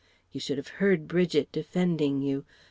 You should have heard Bridget defending you!